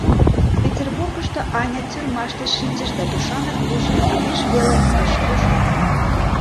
Петербургышто Аня тюрьмаште шинчыш да тушанак вуйжым изиш веле ыш кошарте...